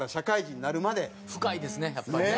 深いですねやっぱりね。